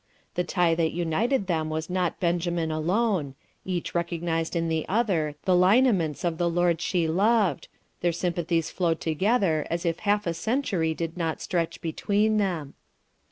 The tie that united them was not Benjamin alone; each recognised in the other the lineaments of the Lord she loved, their sympathies flowed together as if half a century did not stretch between them.